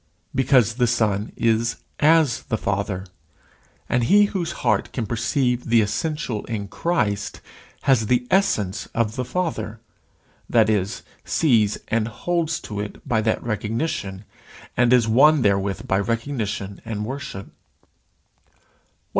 Because the Son is as the Father; and he whose heart can perceive the essential in Christ, has the essence of the Father that is, sees and holds to it by that recognition, and is one therewith by recognition and worship.